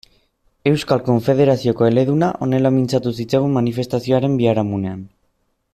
Euskal Konfederazioko eleduna honela mintzatu zitzaigun manifestazioaren biharamunean.